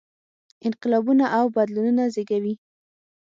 انقلابونه او بدلونونه زېږوي.